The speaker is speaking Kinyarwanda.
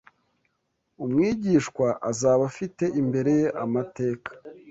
Umwigishwa azaba afite imbere ye amateka